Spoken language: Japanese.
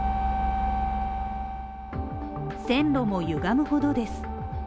線路もゆがむほどです。